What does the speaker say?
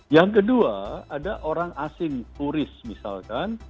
yang kedua ada orang asing turis misalkan